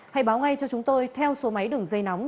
hãy báo ngay cho chúng tôi theo số máy đường dây nóng